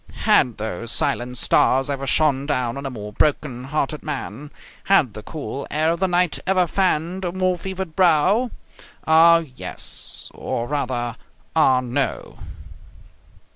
Had those silent stars ever shone down on a more broken hearted man? Had the cool air of the night ever fanned a more fevered brow? Ah, yes! Or, rather, ah no!